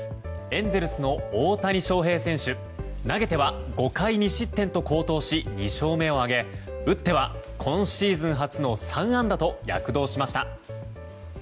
エンゼルスの大谷翔平選手投げては５回２失点と好投し２勝目を挙げ打っては今シーズン初の３安打と躍動しました。